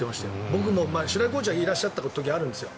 僕も白井コーチもいらっしゃった時あるんですよ